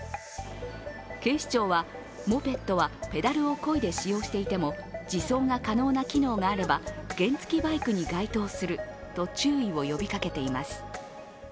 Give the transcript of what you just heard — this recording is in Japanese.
警視庁はモペットはペダルをこいで使用していても自走が可能な機能があれば原付きバイクに相当すると注意を呼びかけています。